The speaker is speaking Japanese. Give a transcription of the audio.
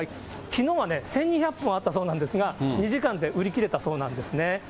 きのうは１２００本あったそうなんですが、２時間で売り切れたそうなんですね。